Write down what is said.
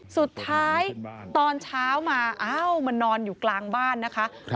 สุดท้ายตอนเช้ามาอ้าวมันนอนอยู่กลางบ้านนะคะ